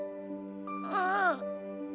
うん。